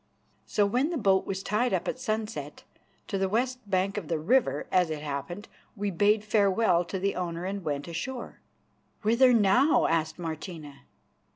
So when the boat was tied up at sunset, to the west bank of the river, as it happened, we bade farewell to the owner and went ashore. "Whither now?" asked Martina.